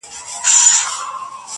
• زما کور ته چي راسي زه پر کور يمه.